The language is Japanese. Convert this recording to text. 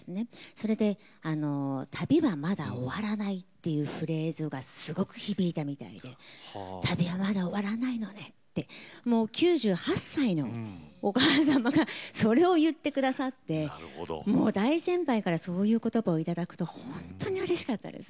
それで旅はまだ終わらないっていうフレーズがすごく響いたみたいで旅はまだ終わらないのねってもう９８歳のお母様がそれを言って下さって大先輩からそういう言葉を頂くと本当にうれしかったです。